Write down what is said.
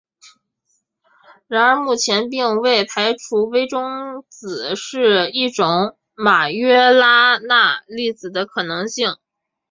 然而目前并未排除微中子是一种马约拉纳粒子的可能性。